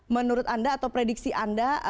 menurut anda atau prediksi anda